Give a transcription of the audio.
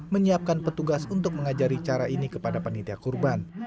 menyiapkan petugas untuk mengajari cara ini kepada panitia kurban